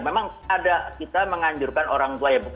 memang ada kita menganjurkan orang tua ya